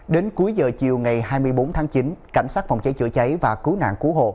đến cuối giờ chiều ngày hai mươi bốn tháng chín cảnh sát phòng cháy chữa cháy và cứu nạn cứu hộ